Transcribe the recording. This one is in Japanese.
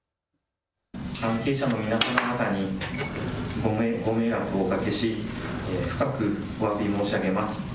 関係者の皆様方にご迷惑をおかけし深くおわび申し上げます。